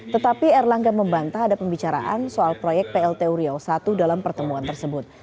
tetapi erlangga membantah ada pembicaraan soal proyek plt uriau i dalam pertemuan tersebut